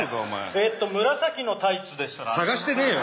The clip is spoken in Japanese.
えっと紫のタイツでしたらあちらの。